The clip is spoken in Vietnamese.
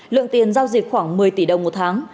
lượng tiền giao dịch khoảng một mươi tỷ đồng một tháng